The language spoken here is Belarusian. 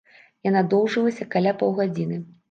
Яна доўжылася каля паўгадзіны.